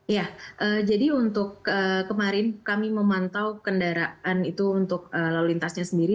ya jadi untuk kemarin kami memantau kendaraan itu untuk lalu lintasnya sendiri